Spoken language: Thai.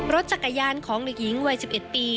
รถจักรยานของเด็กหญิงวัย๑๑ปี